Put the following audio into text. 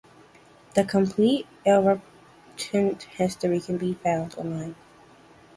The complete "Eel Reprint History" can be found online.